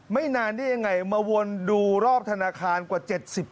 ไม่นานได้ยังไงมาวนดูรอบธนาคารกว่า๗๐